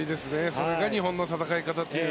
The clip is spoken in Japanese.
それが日本の戦い方という。